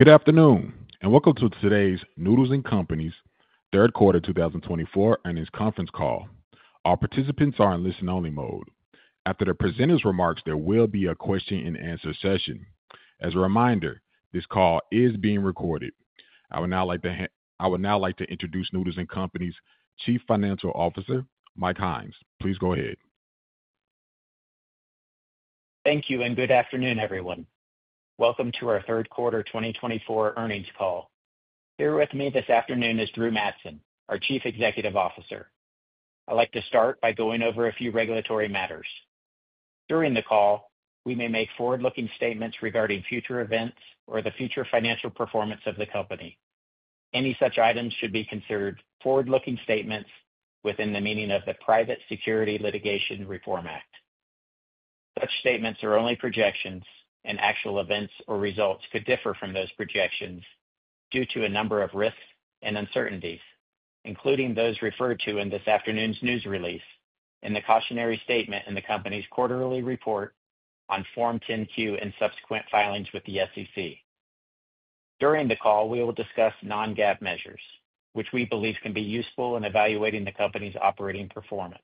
Good afternoon and welcome to today's Noodles & Company's Q3 2024 Earnings Conference Call. All participants are in listen-only mode. After the presenter's remarks, there will be a question-and-answer session. As a reminder, this call is being recorded. I would now like to introduce Noodles & Company's Chief Financial Officer, Mike Hynes. Please go ahead. Thank you and good afternoon, everyone. Welcome to our Q3 2024 Earnings Call. Here with me this afternoon is Drew Madsen, our Chief Executive Officer. I'd like to start by going over a few regulatory matters. During the call, we may make forward-looking statements regarding future events or the future financial performance of the company. Any such items should be considered forward-looking statements within the meaning of the Private Securities Litigation Reform Act. Such statements are only projections, and actual events or results could differ from those projections due to a number of risks and uncertainties, including those referred to in this afternoon's news release and the cautionary statement in the company's quarterly report on Form 10-Q and subsequent filings with the SEC. During the call, we will discuss non-GAAP measures, which we believe can be useful in evaluating the company's operating performance.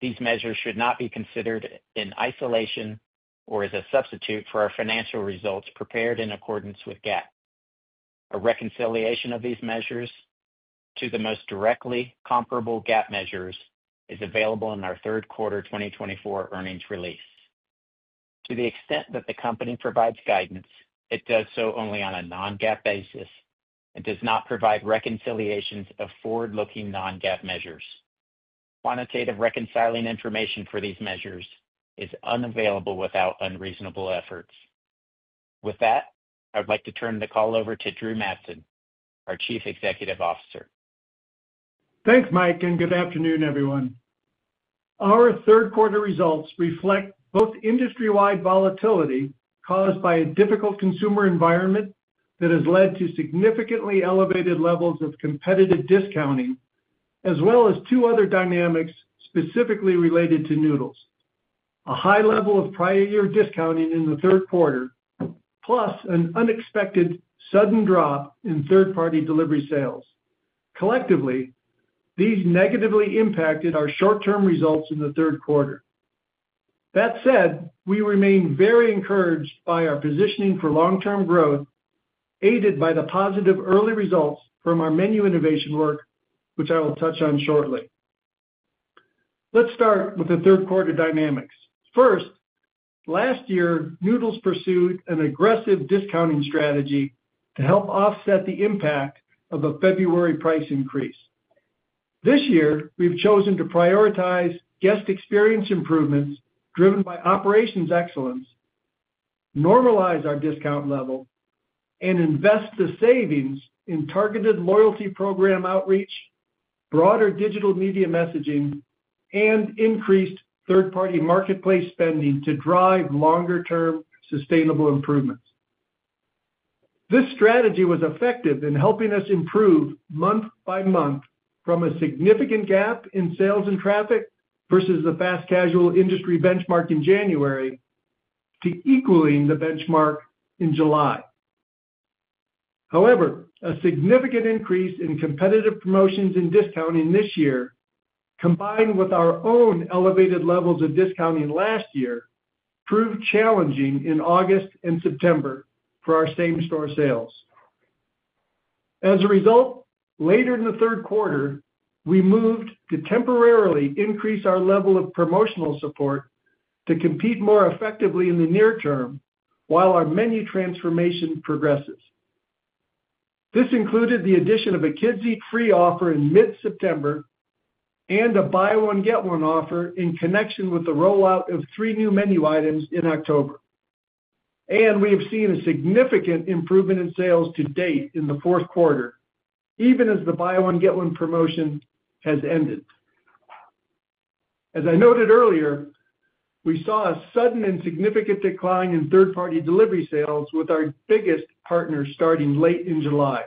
These measures should not be considered in isolation or as a substitute for our financial results prepared in accordance with GAAP. A reconciliation of these measures to the most directly comparable GAAP measures is available in our Q3 2024 earnings release. To the extent that the company provides guidance, it does so only on a non-GAAP basis and does not provide reconciliations of forward-looking non-GAAP measures. Quantitative reconciling information for these measures is unavailable without unreasonable efforts. With that, I would like to turn the call over to Drew Madsen, our Chief Executive Officer. Thanks, Mike, and good afternoon, everyone. Our Q3 results reflect both industry-wide volatility caused by a difficult consumer environment that has led to significantly elevated levels of competitive discounting, as well as two other dynamics specifically related to Noodles: a high level of prior-year discounting in Q3, plus an unexpected sudden drop in third-party delivery sales. Collectively, these negatively impacted our short-term results in Q3. That said, we remain very encouraged by our positioning for long-term growth, aided by the positive early results from our menu innovation work, which I will touch on shortly. Let's start with Q3 dynamics. First, last year, Noodles pursued an aggressive discounting strategy to help offset the impact of the February price increase. This year, we've chosen to prioritize guest experience improvements driven by operations excellence, normalize our discount level, and invest the savings in targeted loyalty program outreach, broader digital media messaging, and increased third-party marketplace spending to drive longer-term sustainable improvements. This strategy was effective in helping us improve month by month from a significant gap in sales and traffic versus the fast-casual industry benchmark in January to equaling the benchmark in July. However, a significant increase in competitive promotions and discounting this year, combined with our own elevated levels of discounting last year, proved challenging in August and September for our same-store sales. As a result, later in Q3, we moved to temporarily increase our level of promotional support to compete more effectively in the near term while our menu transformation progresses. This included the addition of a kids-eat-free offer in mid-September and a buy-one-get-one offer in connection with the rollout of three new menu items in October, and we have seen a significant improvement in sales to date in Q4, even as the buy-one-get-one promotion has ended. As I noted earlier, we saw a sudden and significant decline in third-party delivery sales, with our biggest partner starting late in July.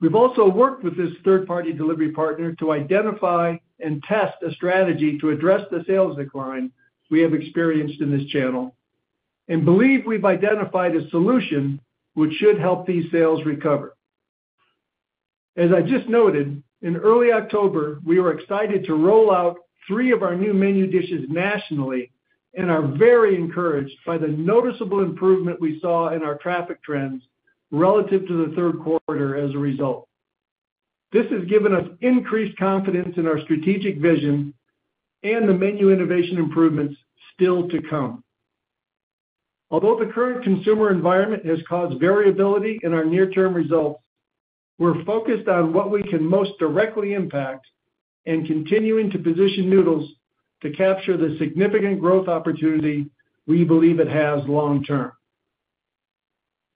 We've also worked with this third-party delivery partner to identify and test a strategy to address the sales decline we have experienced in this channel and believe we've identified a solution which should help these sales recover. As I just noted, in early October, we were excited to roll out three of our new menu dishes nationally and are very encouraged by the noticeable improvement we saw in our traffic trends relative to Q3 as a result. This has given us increased confidence in our strategic vision and the menu innovation improvements still to come. Although the current consumer environment has caused variability in our near-term results, we're focused on what we can most directly impact and continuing to position Noodles to capture the significant growth opportunity we believe it has long-term.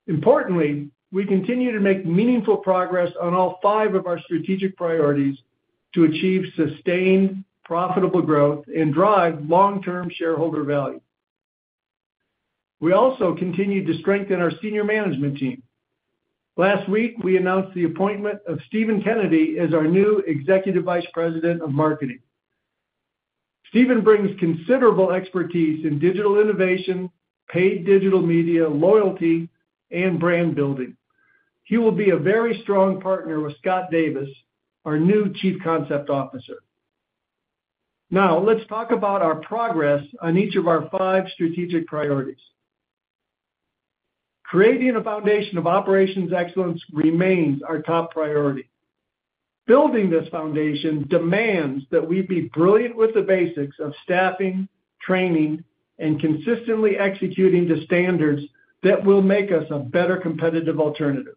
Importantly, we continue to make meaningful progress on all five of our strategic priorities to achieve sustained, profitable growth and drive long-term shareholder value. We also continue to strengthen our senior management team. Last week, we announced the appointment of Stephen Kennedy as our new Executive Vice President of Marketing. Stephen brings considerable expertise in digital innovation, paid digital media, loyalty, and brand building. He will be a very strong partner with Scott Davis, our new Chief Concept Officer. Now, let's talk about our progress on each of our five strategic priorities. Creating a foundation of operations excellence remains our top priority. Building this foundation demands that we be brilliant with the basics of staffing, training, and consistently executing the standards that will make us a better competitive alternative.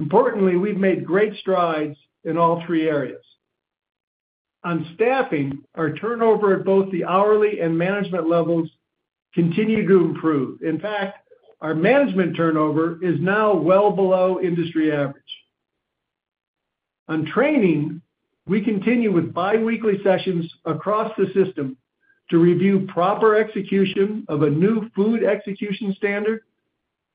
Importantly, we've made great strides in all three areas. On staffing, our turnover at both the hourly and management levels continues to improve. In fact, our management turnover is now well below industry average. On training, we continue with biweekly sessions across the system to review proper execution of a new food execution standard,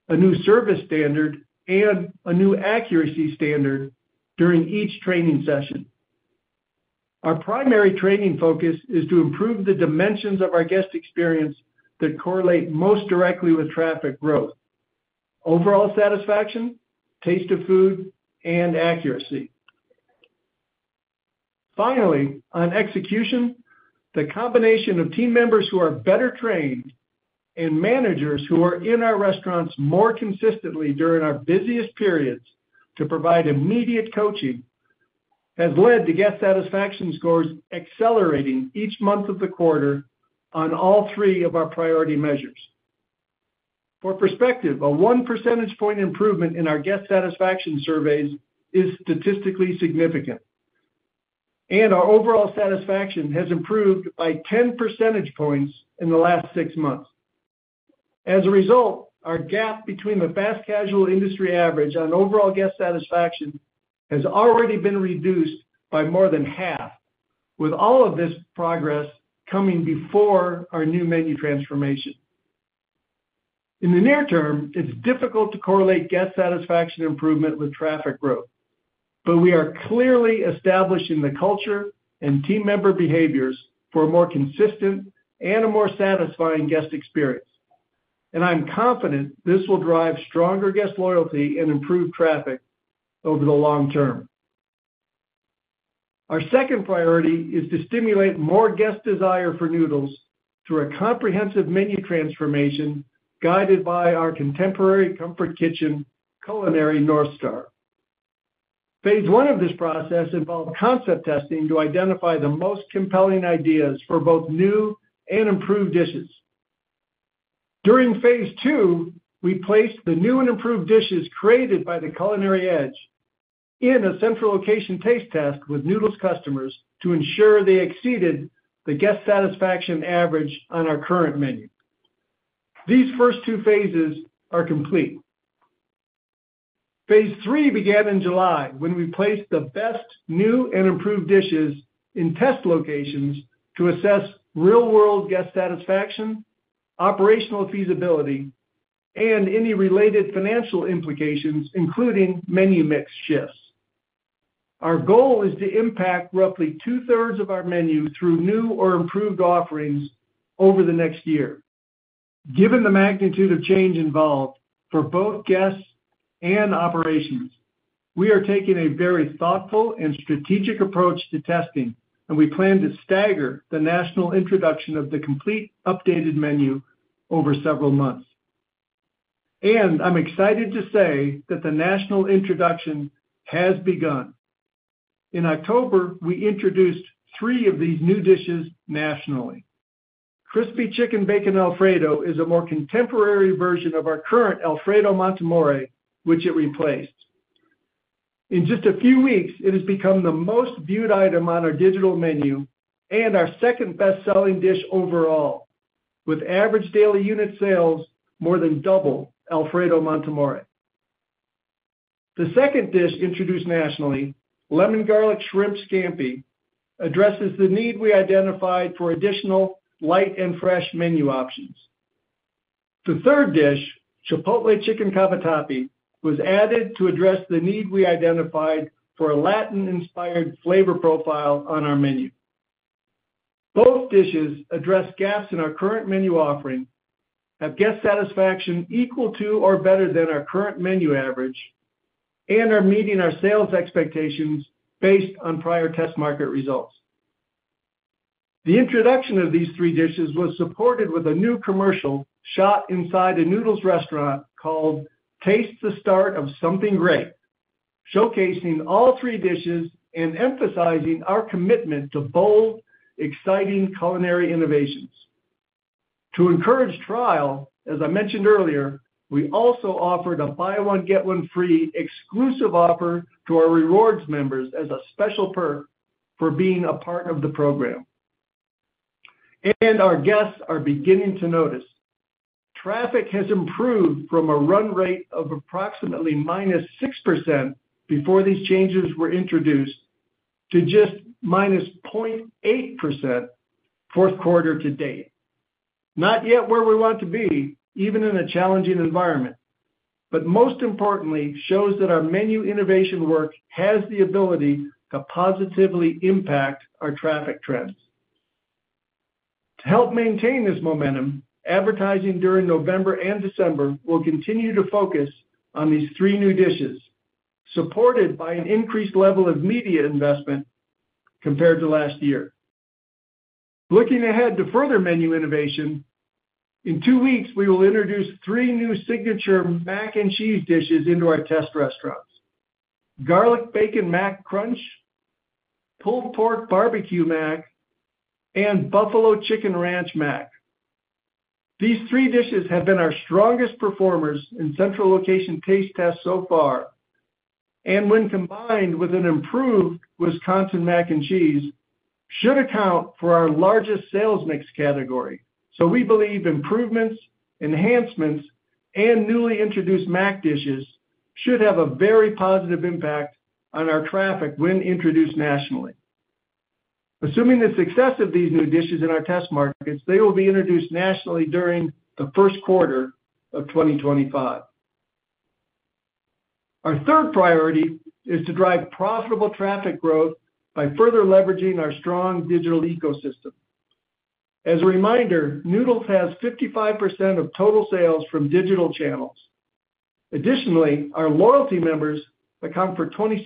a new service standard, and a new accuracy standard during each training session. Our primary training focus is to improve the dimensions of our guest experience that correlate most directly with traffic growth: overall satisfaction, taste of food, and accuracy. Finally, on execution, the combination of team members who are better trained and managers who are in our restaurants more consistently during our busiest periods to provide immediate coaching has led to guest satisfaction scores accelerating each month of the quarter on all three of our priority measures. For perspective, a one percentage point improvement in our guest satisfaction surveys is statistically significant, and our overall satisfaction has improved by 10 percentage points in the last six months. As a result, our gap between the fast-casual industry average on overall guest satisfaction has already been reduced by more than half, with all of this progress coming before our new menu transformation. In the near term, it's difficult to correlate guest satisfaction improvement with traffic growth, but we are clearly establishing the culture and team member behaviors for a more consistent and a more satisfying guest experience. I'm confident this will drive stronger guest loyalty and improved traffic over the long term. Our second priority is to stimulate more guest desire for noodles through a comprehensive menu transformation guided by our contemporary comfort kitchen culinary North Star. Phase I of this process involved concept testing to identify the most compelling ideas for both new and improved dishes. During phase II, we placed the new and improved dishes created by The Culinary Edge in a central location taste test with Noodles customers to ensure they exceeded the guest satisfaction average on our current menu. These first two phases are complete. Phase III began in July when we placed the best new and improved dishes in test locations to assess real-world guest satisfaction, operational feasibility, and any related financial implications, including menu mix shifts. Our goal is to impact roughly 2/3 of our menu through new or improved offerings over the next year. Given the magnitude of change involved for both guests and operations, we are taking a very thoughtful and strategic approach to testing, and we plan to stagger the national introduction of the complete updated menu over several months, and I'm excited to say that the national introduction has begun. In October, we introduced three of these new dishes nationally. Crispy Chicken Bacon Alfredo is a more contemporary version of our current Alfredo MontAmore, which it replaced. In just a few weeks, it has become the most viewed item on our digital menu and our second-best-selling dish overall, with average daily unit sales more than double Alfredo MontAmore. The second dish introduced nationally, Lemon Garlic Shrimp Scampi, addresses the need we identified for additional light and fresh menu options. The third dish, Chipotle Chicken Cavatappi, was added to address the need we identified for a Latin-inspired flavor profile on our menu. Both dishes address gaps in our current menu offering, have guest satisfaction equal to or better than our current menu average, and are meeting our sales expectations based on prior test market results. The introduction of these three dishes was supported with a new commercial shot inside a Noodles restaurant called Taste the Start of Something Great, showcasing all three dishes and emphasizing our commitment to bold, exciting culinary innovations. To encourage trial, as I mentioned earlier, we also offered a buy-one-get-one-free exclusive offer to our rewards members as a special perk for being a part of the program. Our guests are beginning to notice traffic has improved from a run rate of approximately -6% before these changes were introduced to just -0.8% Q4 to date. Not yet where we want to be, even in a challenging environment, but most importantly, shows that our menu innovation work has the ability to positively impact our traffic trends. To help maintain this momentum, advertising during November and December will continue to focus on these three new dishes, supported by an increased level of media investment compared to last year. Looking ahead to further menu innovation, in two weeks, we will introduce three new signature mac and cheese dishes into our test restaurants: Garlic Bacon Mac Crunch, Pulled Pork Barbecue Mac, and Buffalo Chicken Ranch Mac. These three dishes have been our strongest performers in central location taste tests so far, and when combined with an improved Wisconsin Mac and Cheese, should account for our largest sales mix category. So we believe improvements, enhancements, and newly introduced mac dishes should have a very positive impact on our traffic when introduced nationally. Assuming the success of these new dishes in our test markets, they will be introduced nationally during Q1 of 2025. Our third priority is to drive profitable traffic growth by further leveraging our strong digital ecosystem. As a reminder, Noodles has 55% of total sales from digital channels. Additionally, our loyalty members account for 26%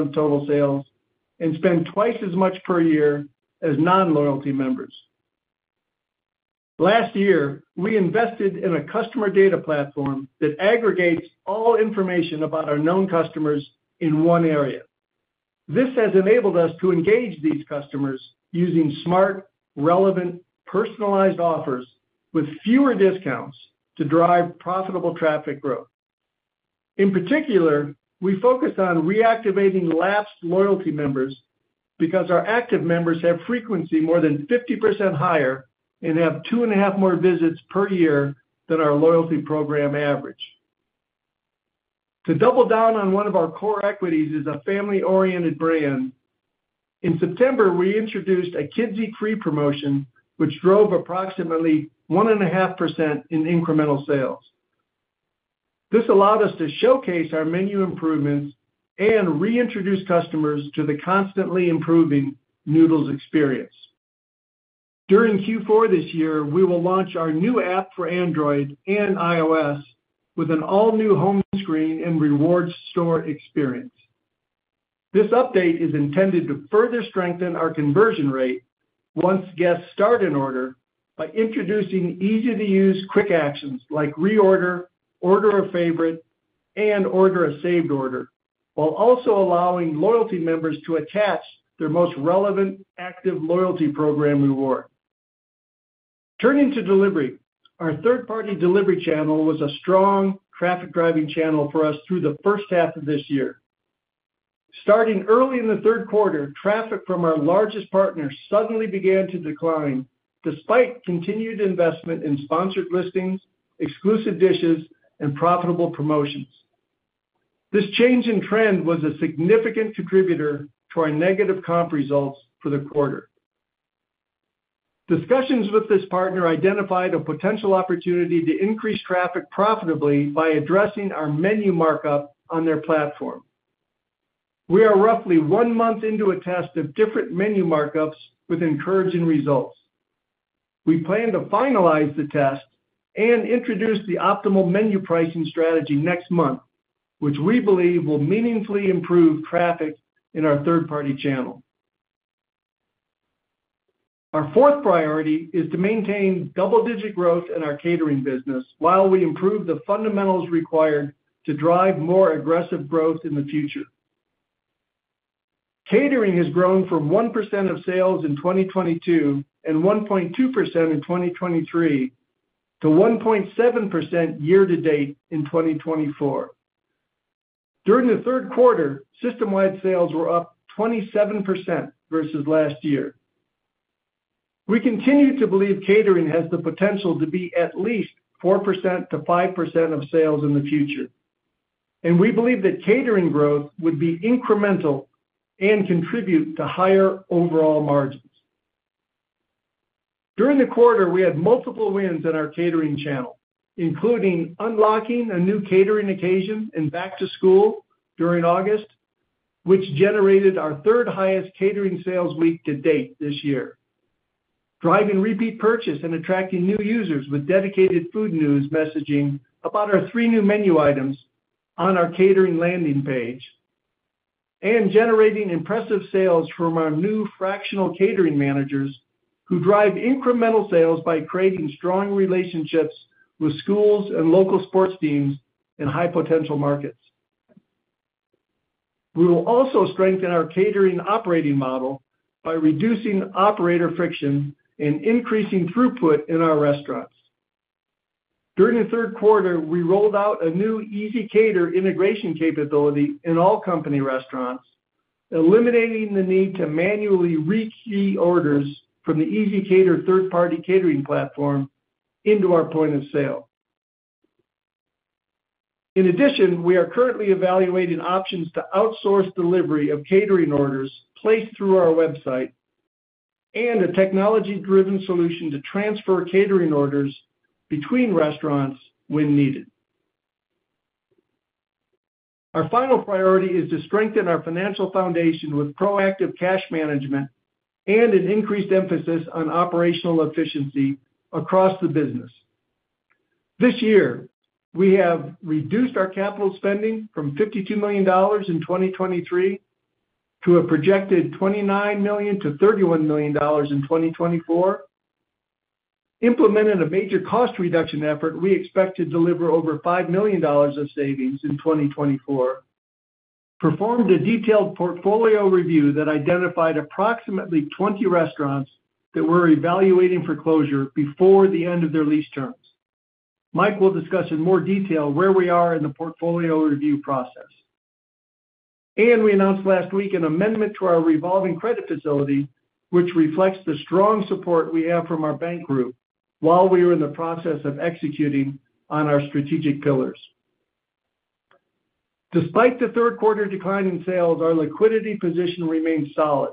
of total sales and spend twice as much per year as non-loyalty members. Last year, we invested in a customer data platform that aggregates all information about our known customers in one area. This has enabled us to engage these customers using smart, relevant, personalized offers with fewer discounts to drive profitable traffic growth. In particular, we focus on reactivating lapsed loyalty members because our active members have frequency more than 50% higher and have two and a half more visits per year than our loyalty program average. To double down on one of our core equities is a family-oriented brand. In September, we introduced a kids-eat-free promotion, which drove approximately 1.5% in incremental sales. This allowed us to showcase our menu improvements and reintroduce customers to the constantly improving noodles experience. During Q4 this year, we will launch our new app for Android and iOS with an all-new home screen and rewards store experience. This update is intended to further strengthen our conversion rate once guests start an order by introducing easy-to-use quick actions like reorder, order a favorite, and order a saved order, while also allowing loyalty members to attach their most relevant active loyalty program reward. Turning to delivery, our third-party delivery channel was a strong traffic-driving channel for us through H1 of this year. Starting early in Q3, traffic from our largest partner suddenly began to decline despite continued investment in sponsored listings, exclusive dishes, and profitable promotions. This change in trend was a significant contributor to our negative comp results for the quarter. Discussions with this partner identified a potential opportunity to increase traffic profitably by addressing our menu markup on their platform. We are roughly one month into a test of different menu markups with encouraging results. We plan to finalize the test and introduce the optimal menu pricing strategy next month, which we believe will meaningfully improve traffic in our third-party channel. Our fourth priority is to maintain double-digit growth in our catering business while we improve the fundamentals required to drive more aggressive growth in the future. Catering has grown from 1% of sales in 2022 and 1.2% in 2023 to 1.7% year-to-date in 2024. During Q3, system-wide sales were up 27% versus last year. We continue to believe catering has the potential to be at least 4%to 5% of sales in the future, and we believe that catering growth would be incremental and contribute to higher overall margins. During the quarter, we had multiple wins in our catering channel, including unlocking a new catering occasion and back-to-school during August, which generated our third highest catering sales week to date this year, driving repeat purchase and attracting new users with dedicated food news messaging about our three new menu items on our catering landing page, and generating impressive sales from our new fractional catering managers who drive incremental sales by creating strong relationships with schools and local sports teams in high-potential markets. We will also strengthen our catering operating model by reducing operator friction and increasing throughput in our restaurants. During Q3, we rolled out a new ezCater integration capability in all company restaurants, eliminating the need to manually re-key orders from the ezCater third-party catering platform into our point of sale. In addition, we are currently evaluating options to outsource delivery of catering orders placed through our website and a technology-driven solution to transfer catering orders between restaurants when needed. Our final priority is to strengthen our financial foundation with proactive cash management and an increased emphasis on operational efficiency across the business. This year, we have reduced our capital spending from $52 million in 2023 to a projected $29 to 31 million in 2024, implemented a major cost reduction effort we expect to deliver over $5 million of savings in 2024, and performed a detailed portfolio review that identified approximately 20 restaurants that we're evaluating for closure before the end of their lease terms. Mike will discuss in more detail where we are in the portfolio review process. We announced last week an amendment to our revolving credit facility, which reflects the strong support we have from our bank group while we were in the process of executing on our strategic pillars. Despite Q3 decline in sales, our liquidity position remains solid.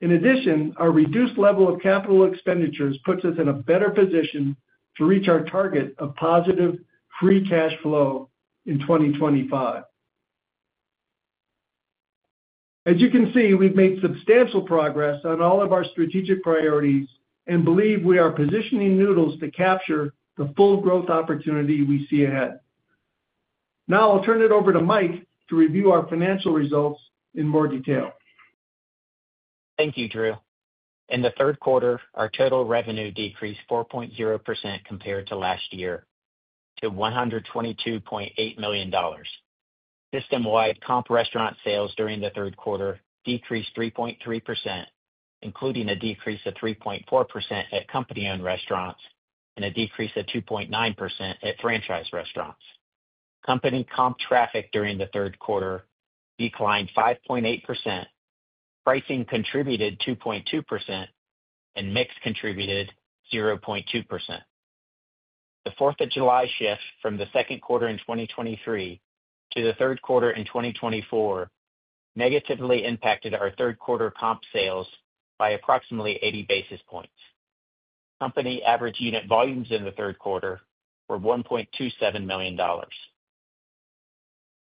In addition, our reduced level of capital expenditures puts us in a better position to reach our target of positive free cash flow in 2025. As you can see, we've made substantial progress on all of our strategic priorities and believe we are positioning Noodles to capture the full growth opportunity we see ahead. Now I'll turn it over to Mike to review our financial results in more detail. Thank you, Drew. In Q3, our total revenue decreased 4.0% compared to last year to $122.8 million. System-wide comp restaurant sales during Q3 decreased 3.3%, including a decrease of 3.4% at company-owned restaurants and a decrease of 2.9% at franchise restaurants. Company comp traffic during Q3 declined 5.8%, pricing contributed 2.2%, and mix contributed 0.2%. The 4th of July shift from Q2 in 2023 to Q3 in 2024 negatively impacted our Q3 comp sales by approximately 80 basis points. Company average unit volumes in Q3 were $1.27 million.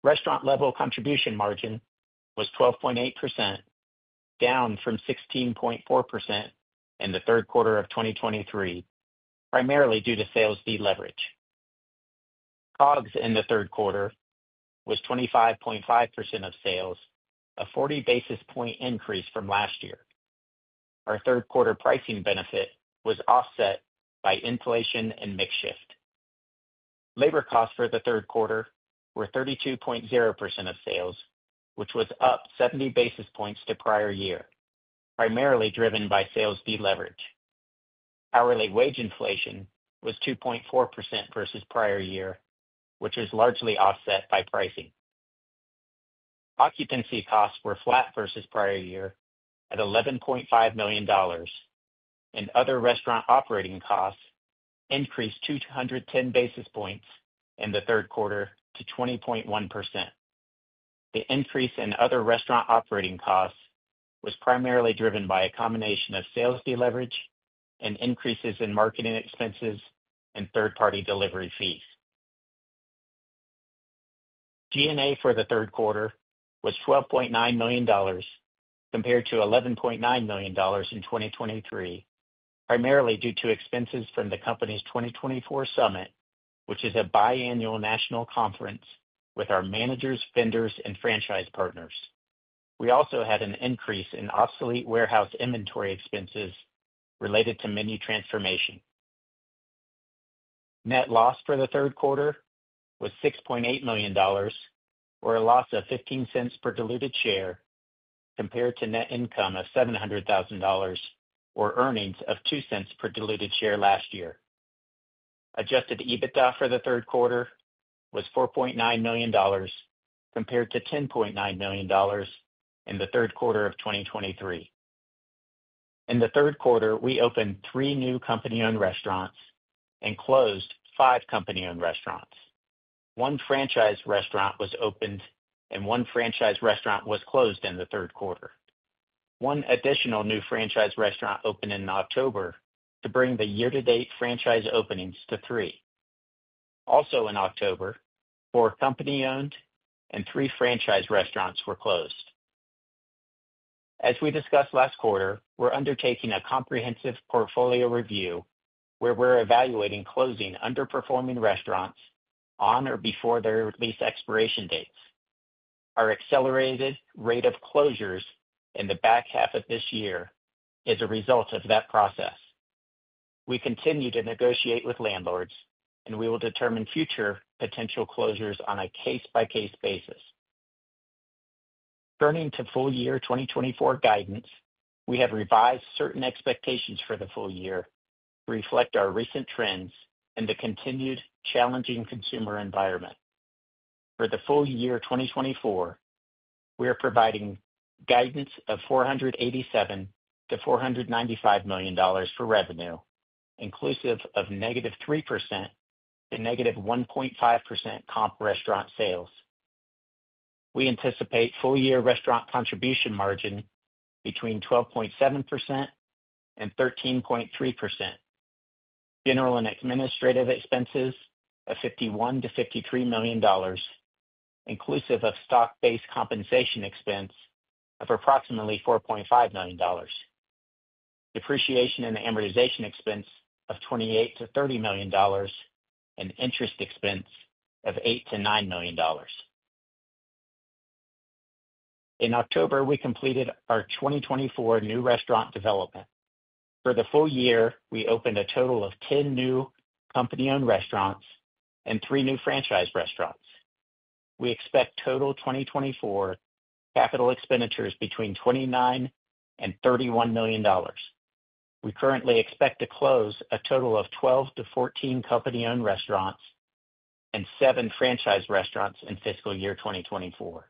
Restaurant-level contribution margin was 12.8%, down from 16.4% in Q3 of 2023, primarily due to sales fee leverage. COGS in Q3 was 25.5% of sales, a 40 basis point increase from last year. Our Q3 pricing benefit was offset by inflation and mix shift. Labor costs for Q3 were 32.0% of sales, which was up 70 basis points to prior year, primarily driven by sales deleverage. Hourly wage inflation was 2.4% versus prior year, which is largely offset by pricing. Occupancy costs were flat versus prior year at $11.5 million, and other restaurant operating costs increased 210 basis points in Q3 to 20.1%. The increase in other restaurant operating costs was primarily driven by a combination of sales deleverage and increases in marketing expenses and third-party delivery fees. G&A for Q3 was $12.9 million compared to $11.9 million in 2023, primarily due to expenses from the company's 2024 summit, which is a biannual national conference with our managers, vendors, and franchise partners. We also had an increase in obsolete warehouse inventory expenses related to menu transformation. Net loss for Q3 was $6.8 million, or a loss of $0.15 per diluted share, compared to net income of $700,000 or earnings of $0.02 per diluted share last year. Adjusted EBITDA for Q3 was $4.9 million, compared to $10.9 million in Q3 of 2023. In Q3, we opened three new company-owned restaurants and closed five company-owned restaurants. One franchise restaurant was opened, and one franchise restaurant was closed in Q3. One additional new franchise restaurant opened in October to bring the year-to-date franchise openings to three. Also in October, four company-owned and three franchise restaurants were closed. As we discussed last quarter, we're undertaking a comprehensive portfolio review where we're evaluating closing underperforming restaurants on or before their lease expiration dates. Our accelerated rate of closures in the back half of this year is a result of that process. We continue to negotiate with landlords, and we will determine future potential closures on a case-by-case basis. Turning to full year 2024 guidance, we have revised certain expectations for the full year to reflect our recent trends and the continued challenging consumer environment. For the full year 2024, we are providing guidance of $487 to 495 million for revenue, inclusive of -3% to -1.5% comp restaurant sales. We anticipate full year restaurant contribution margin between 12.7% and 13.3%. General and administrative expenses of $51 to 53 million, inclusive of stock-based compensation expense of approximately $4.5 million. Depreciation and amortization expense of $28 to 30 million, and interest expense of $8 to 9 million. In October, we completed our 2024 new restaurant development. For the full year, we opened a total of 10 new company-owned restaurants and three new franchise restaurants. We expect total 2024 capital expenditures between $29 and $31 million. We currently expect to close a total of 12 to 14 company-owned restaurants and seven franchise restaurants in fiscal year 2024.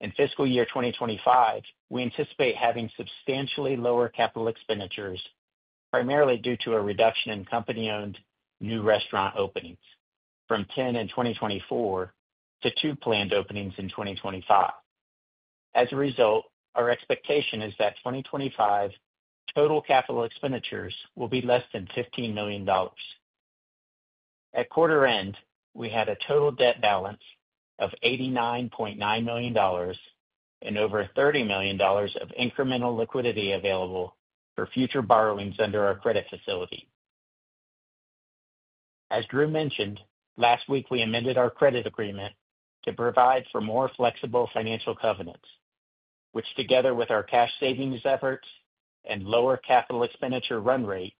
In fiscal year 2025, we anticipate having substantially lower capital expenditures, primarily due to a reduction in company-owned new restaurant openings from 10 in 2024 to two planned openings in 2025. As a result, our expectation is that 2025 total capital expenditures will be less than $15 million. At quarter end, we had a total debt balance of $89.9 million and over $30 million of incremental liquidity available for future borrowings under our credit facility. As Drew mentioned, last week we amended our credit agreement to provide for more flexible financial covenants, which together with our cash savings efforts and lower capital expenditure run rate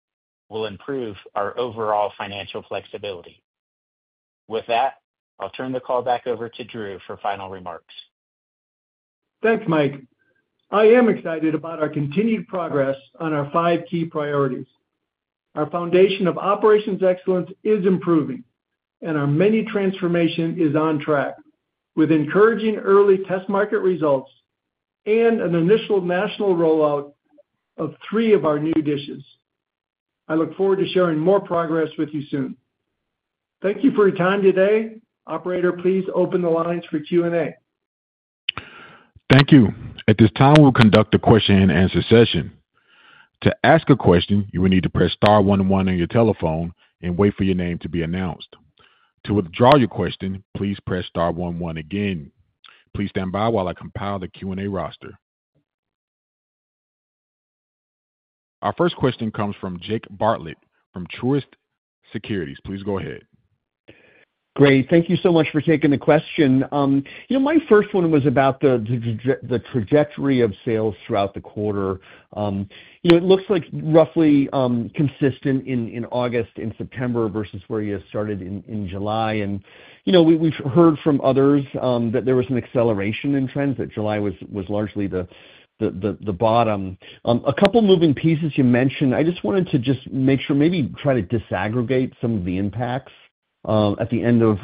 will improve our overall financial flexibility. With that, I'll turn the call back over to Drew for final remarks. Thanks, Mike. I am excited about our continued progress on our five key priorities. Our foundation of operations excellence is improving, and our menu transformation is on track with encouraging early test market results and an initial national rollout of three of our new dishes. I look forward to sharing more progress with you soon. Thank you for your time today. Operator, please open the lines for Q&A. Thank you. At this time, we'll conduct a question-and-answer session. To ask a question, you will need to press star one one on your telephone and wait for your name to be announced. To withdraw your question, please press star one one again. Please stand by while I compile the Q&A roster. Our first question comes from Jake Bartlett from Truist Securities. Please go ahead. Great. Thank you so much for taking the question. My first one was about the trajectory of sales throughout the quarter. It looks like roughly consistent in August and September versus where you started in July. We've heard from others that there was an acceleration in trends, that July was largely the bottom. A couple of moving pieces you mentioned. I just wanted to just make sure, maybe try to disaggregate some of the impacts at the end of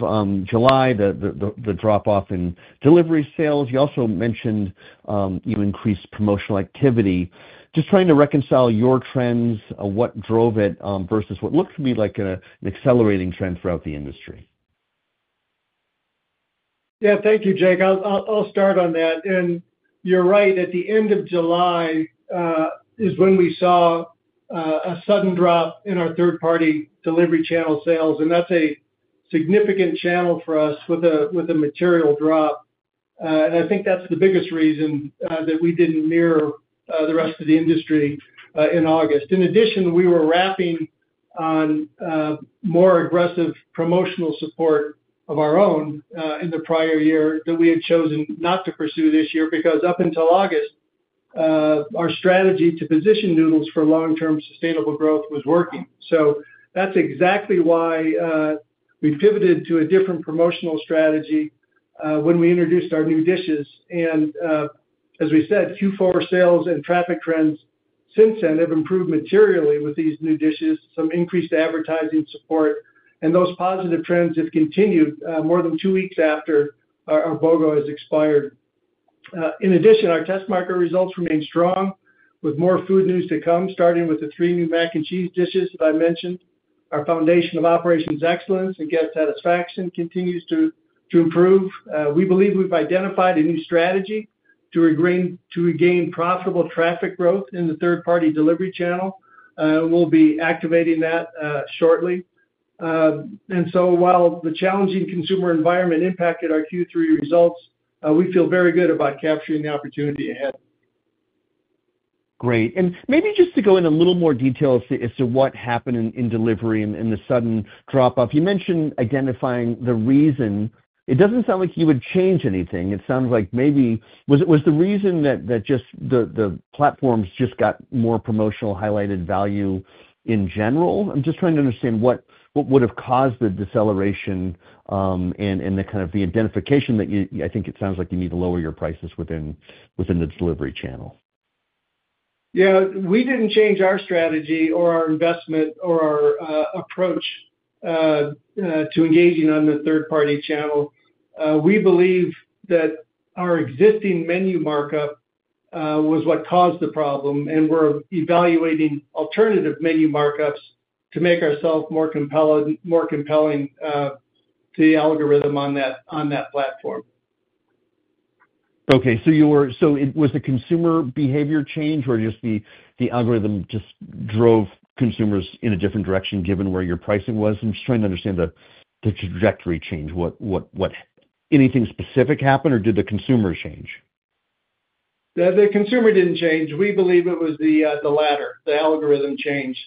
July, the drop-off in delivery sales. You also mentioned you increased promotional activity. Just trying to reconcile your trends, what drove it versus what looked to be like an accelerating trend throughout the industry. Yeah, thank you, Jake. I'll start on that. You're right, at the end of July is when we saw a sudden drop in our third-party delivery channel sales. That's a significant channel for us with a material drop. I think that's the biggest reason that we didn't mirror the rest of the industry in August. In addition, we were wrapping on more aggressive promotional support of our own in the prior year that we had chosen not to pursue this year because up until August, our strategy to position Noodles for long-term sustainable growth was working. So that's exactly why we pivoted to a different promotional strategy when we introduced our new dishes. And as we said, Q4 sales and traffic trends since then have improved materially with these new dishes, some increased advertising support. And those positive trends, if continued more than two weeks after our BOGO has expired. In addition, our test market results remain strong with more food news to come, starting with the three new mac and cheese dishes that I mentioned. Our foundation of operations excellence and guest satisfaction continues to improve. We believe we've identified a new strategy to regain profitable traffic growth in the third-party delivery channel. We'll be activating that shortly. And so while the challenging consumer environment impacted our Q3 results, we feel very good about capturing the opportunity ahead. Great. And maybe just to go in a little more detail as to what happened in delivery and the sudden drop-off, you mentioned identifying the reason. It doesn't sound like you would change anything. It sounds like maybe was the reason that just the platforms just got more promotional highlighted value in general? I'm just trying to understand what would have caused the deceleration and the kind of the identification that I think it sounds like you need to lower your prices within the delivery channel. Yeah, we didn't change our strategy or our investment or our approach to engaging on the third-party channel. We believe that our existing menu markup was what caused the problem, and we're evaluating alternative menu markups to make ourselves more compelling to the algorithm on that platform. Okay. So was the consumer behavior change or just the algorithm just drove consumers in a different direction given where your pricing was? I'm just trying to understand the trajectory change. Anything specific happened, or did the consumer change? The consumer didn't change. We believe it was the latter. The algorithm changed.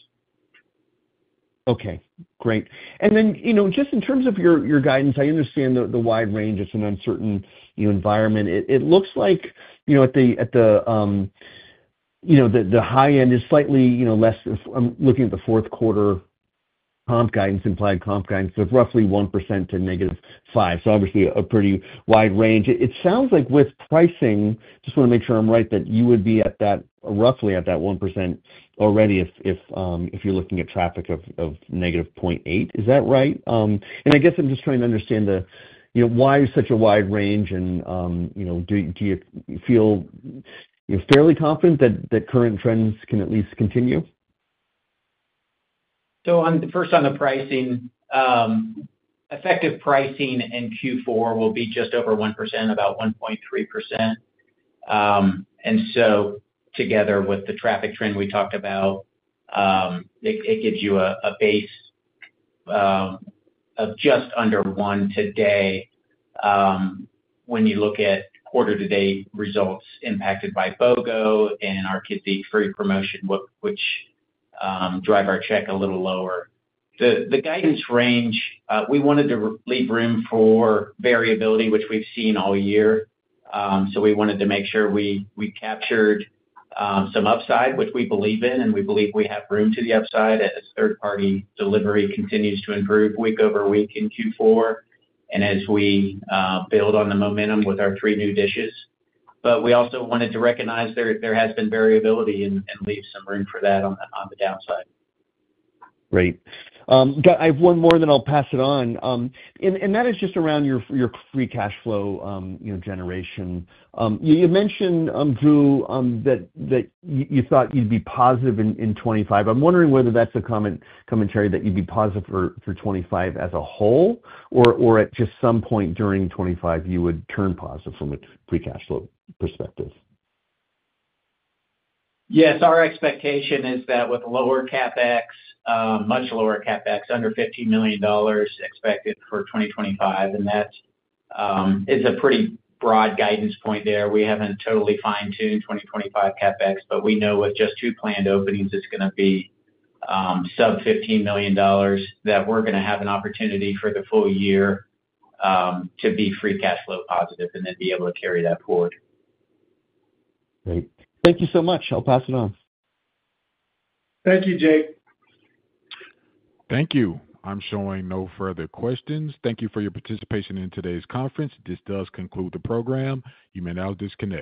Okay. Great. And then just in terms of your guidance, I understand the wide range. It's an uncertain environment. It looks like at the high end is slightly less. I'm looking at Q4 comp guidance, implied comp guidance of roughly 1% to -5%. So obviously a pretty wide range. It sounds like with pricing, just want to make sure I'm right, that you would be roughly at that 1% already if you're looking at traffic of -0.8%. Is that right? I guess I'm just trying to understand why such a wide range, and do you feel fairly confident that current trends can at least continue? So first, on the pricing, effective pricing in Q4 will be just over 1%, about 1.3%. And so together with the traffic trend we talked about, it gives you a base of just under one today when you look at quarter-to-date results impacted by BOGO and our kids' eat-free promotion, which drive our check a little lower. The guidance range, we wanted to leave room for variability, which we've seen all year. So we wanted to make sure we captured some upside, which we believe in, and we believe we have room to the upside as third-party delivery continues to improve week over week in Q4 and as we build on the momentum with our three new dishes. But we also wanted to recognize there has been variability and leave some room for that on the downside. Great. I have one more and then I'll pass it on. And that is just around your free cash flow generation. You mentioned, Drew, that you thought you'd be positive in 2025. I'm wondering whether that's a commentary that you'd be positive for 2025 as a whole or at just some point during 2025 you would turn positive from a free cash flow perspective. Yes. Our expectation is that with lower CapEx, much lower CapEx, under $15 million expected for 2025, and that is a pretty broad guidance point there. We haven't totally fine-tuned 2025 CapEx, but we know with just two planned openings, it's going to be sub-$15 million that we're going to have an opportunity for the full year to be free cash flow positive and then be able to carry that forward. Great. Thank you so much. I'll pass it on. Thank you, Jake. Thank you. I'm showing no further questions. Thank you for your participation in today's conference. This does conclude the program. You may now disconnect.